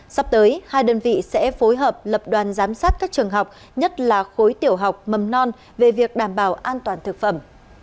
sắp tới hai đơn vị sẽ phối hợp lập đoàn giám sát các trường học nhất là khối tiểu học mầm non về việc đảm bảo an toàn thực phẩm